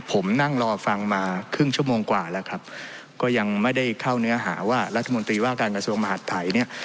ผมนั่งรอฟังมาครึ่งชั่วโมงกว่าแล้วครับก็ยังไม่ได้เข้าเนื้อหาว่ารัฐมนตรีว่าการกระทรวงมหาดไทยเนี่ย